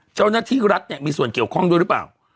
เจ้าหน้าที่รัฐเนี่ยมีส่วนเกี่ยวข้องด้วยหรือเปล่า